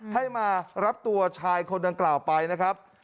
ให้มารับตัวชายคนดังกล่าวไปนะครับ